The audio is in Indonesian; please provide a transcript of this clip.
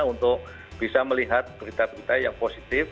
untuk bisa melihat berita berita yang positif